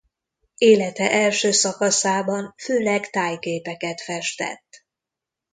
Élete első szakaszában főleg tájképeket festett.